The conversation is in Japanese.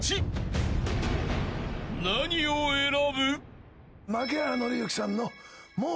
［何を選ぶ？］